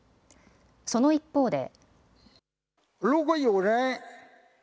その一方で。